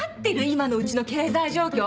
今のうちの経済状況。